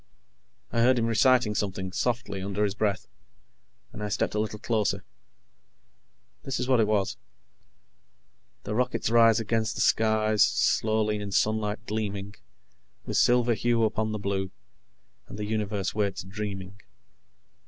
I heard him reciting something, softly, under his breath, and I stepped a little closer. This is what it was: "_The rockets rise against the skies, Slowly; in sunlight gleaming With silver hue upon the blue. And the universe waits, dreaming.